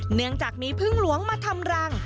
เนื่องจากมีพึ่งหลวงมาทำรัง